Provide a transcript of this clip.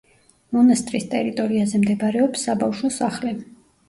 მონასტრის ტერიტორიაზე მდებარეობს საბავშვო სახლი.